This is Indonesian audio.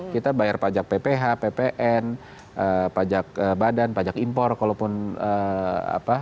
kita bayar pajak pph ppn pajak badan pajak impor kalaupun apa